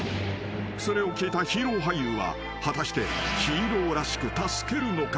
［それを聞いたヒーロー俳優は果たしてヒーローらしく助けるのか？